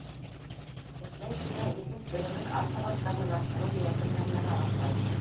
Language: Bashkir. Эшләй килә егет белемен артабан камиллаштырыу ниәте менән яна башлай.